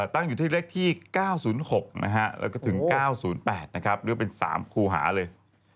ตั้งอยู่ที่เลขที่๙๐๖แล้วก็ถึง๙๐๘นะครับเลือกเป็น๓คู่หาเลย